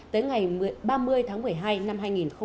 tới ngày ba mươi tháng một mươi hai năm hai nghìn một mươi ba